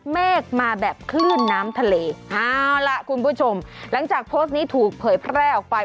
เมฆมาแบบคลื่นน้ำทะเลเอาล่ะคุณผู้ชมหลังจากโพสต์นี้ถูกเผยแพร่ออกไป